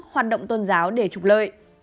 hoạt động tôn giáo để trục lợi